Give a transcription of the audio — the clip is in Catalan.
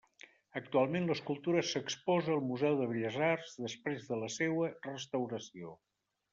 Actualment l'escultura s'exposa al Museu de Belles Arts després de la seua restauració.